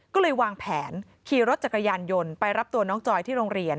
ก็เลยวางแผนขี่รถจักรยานยนต์ไปรับตัวน้องจอยที่โรงเรียน